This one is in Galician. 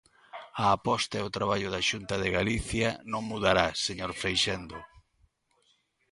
A aposta e o traballo da Xunta de Galicia non mudará, señor Freixendo.